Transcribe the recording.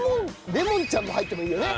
レモンちゃんも入ってもいいよね。